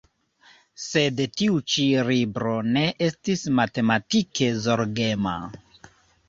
Sed tiu ĉi libro ne estis matematike zorgema.